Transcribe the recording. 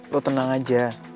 lo tenang aja